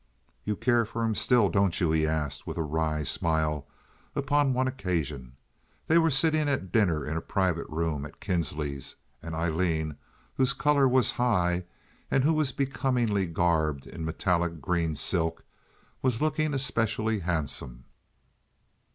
"You care for him still, don't you?" he asked, with a wry smile, upon one occasion. They were sitting at dinner in a private room at Kinsley's, and Aileen, whose color was high, and who was becomingly garbed in metallic green silk, was looking especially handsome.